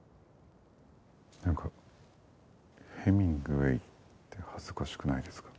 なんかヘミングウェイって恥ずかしくないですか？